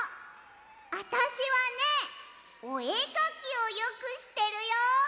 あたしはねおえかきをよくしてるよ！